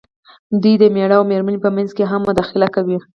دوی د مېړۀ او مېرمنې په منځ کې هم مداخله کوي.